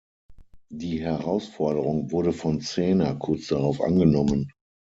Die Herausforderung wurde von Cena kurz darauf angenommen.